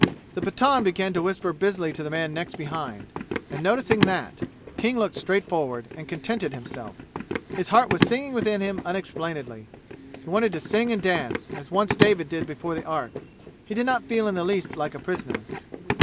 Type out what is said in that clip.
The Pathan began to whisper busily to the man next behind and noticing that King looked straight forward and contented himself; his heart was singing within him unexplainedly; he wanted to sing and dance, as once David did before the ark. He did not feel in the least like a prisoner.